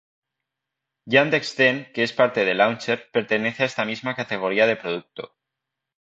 Yandex Zen, que es parte de Launcher, pertenece a esta misma categoría de producto.